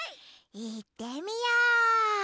いってみよう！